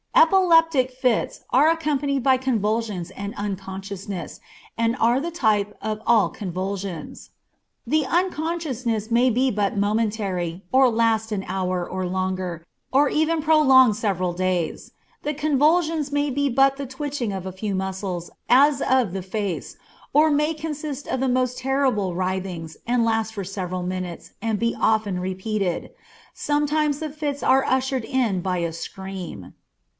Epileptic fits are accompanied by convulsions and unconsciousness, and are the type of all convulsions. The unconsciousness may be but momentary, or last an hour or longer, and even prolonged several days; the convulsions may be but the twitching of a few muscles, as of the face, or may consist of the most terrible writhings, and last for several minutes, and be often repeated. Sometimes the fits are ushered in by a scream.